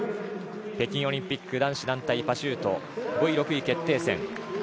北京オリンピック男子団体パシュート５位６位決定戦。